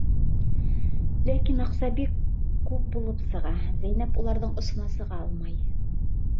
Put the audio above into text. Ләкин аҡса бик күп булып сыға, Зәйнәп уларҙың осона сыға алмай.